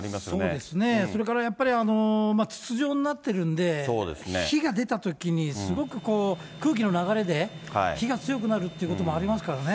そうですね、それからやっぱり筒状になっているんで、火が出たときに、すごくこう、空気の流れで、火が強くなるっていうこともありますからね。